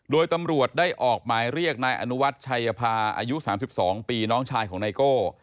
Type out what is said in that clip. โดยตำรวจได้ออกหมายเรียกนายอนุวัฒน์ชัยภาอายุ๓๒ปีน้องชายของไนโก้